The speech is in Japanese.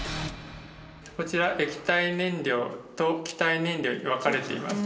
こちら液体燃料と気体燃料に分かれています。